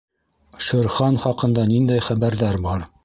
Шер Хан хаҡында ниндәй хәбәрҙәр бар?